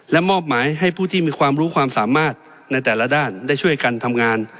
และมอบหมายให้ผู้ที่มีความรู้ความสามารถในแต่ละด้านได้ช่วยกันทำงาน